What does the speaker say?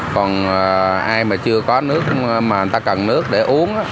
còn ai mà chưa có nước mà người ta cần nước để uống